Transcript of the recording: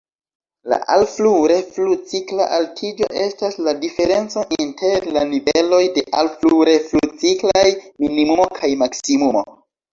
La "alflu-reflu-cikla altiĝo" estas la diferenco inter la niveloj de alflu-reflu-ciklaj minimumo kaj maksimumo.